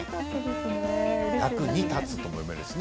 役に立つとも読めますね。